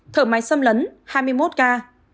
thở máy xâm lấn hai mươi một ca